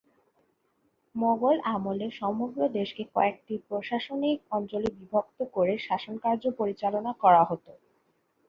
মোগল আমলে সমগ্র দেশকে কয়েকটি প্রশাসনিক অঞ্চলে বিভক্ত করে শাসনকার্য পরিচালনা করা হতো।